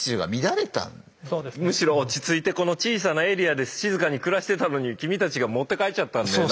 むしろ落ち着いてこの小さなエリアで静かに暮らしてたのに君たちが持って帰っちゃったんだよ